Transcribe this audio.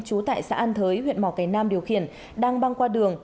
trú tại xã an thới huyện mò cái nam điều khiển đang băng qua đường